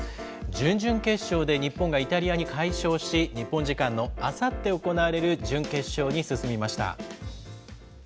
準々決勝で日本がイタリアに快勝し、日本時間のあさって行われる準決勝に進みました。